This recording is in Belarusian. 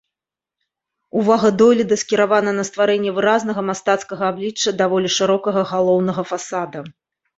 Увага дойліда скіравана на стварэнне выразнага мастацкага аблічча даволі шырокага галоўнага фасада.